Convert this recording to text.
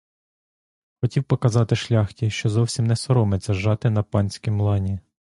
Хотів показати шляхті, що зовсім не соромиться жати на панськім лані.